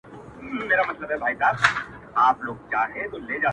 له يوه ځان خلاص کړم د بل غم راته پام سي ربه.